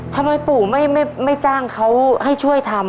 ทำไมปู่ไม่จ้างเขาให้ช่วยทำ